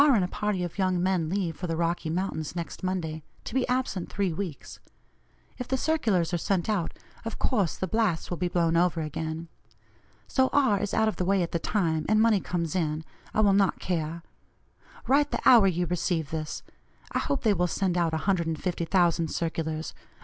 and a party of young men leave for the Rocky Mountains next Monday, to be absent three weeks. If the circulars are sent out, of course the blasts will be blown over again. So R. is out of the way at the time, and money comes in, I will not care. Write the hour you receive this. I hope they will send out 150,000 circulars.